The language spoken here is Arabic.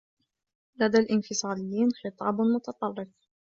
لدى الإنفصاليين خطاب متطرف.